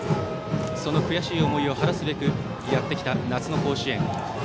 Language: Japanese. その悔しい思いを晴らすべくやってきた夏の甲子園。